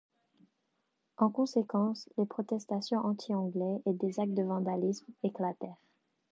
En conséquence, les protestations anti-anglais et des actes de vandalisme éclatèrent.